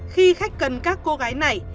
khi khách cần các cô gái này